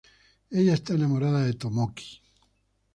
Ella está enamorada de Tomoki.